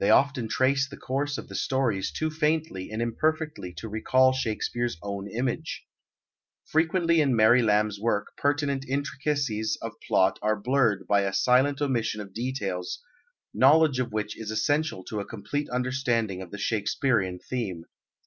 They often trace the course of the stories too faintly and imperfectly to recall Shakespeare's own image. Frequently in Mary Lamb's work pertinent intricacies of plot are blurred by a silent omission of details, knowledge of which is essential to a complete understanding of the Shakespearean theme.